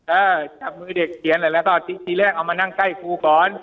เออจับมือเด็กเขียนอะไรแล้วก็ทีแรกเอามานั่งใกล้ครูก่อน